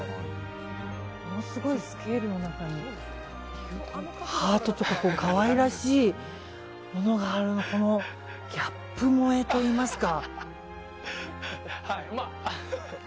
ものすごいスケールの中にハートとか可愛らしいものがあるギャップ萌えといいますか。